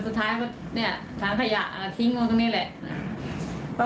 สุดท้ายทางขยะมันก็ทิ้งลงตรงนี้แหละ